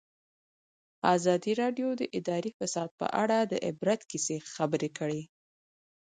ازادي راډیو د اداري فساد په اړه د عبرت کیسې خبر کړي.